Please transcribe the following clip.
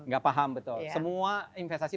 gak paham betul semua investasi